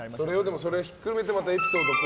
でも、それをひっくるめてエピソードと。